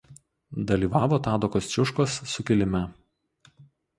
Dalyvavo Tado Kosciuškos sukilime.